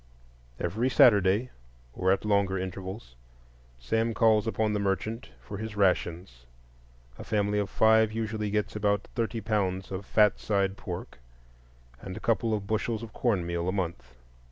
Every Saturday, or at longer intervals, Sam calls upon the merchant for his "rations"; a family of five usually gets about thirty pounds of fat side pork and a couple of bushels of cornmeal a month.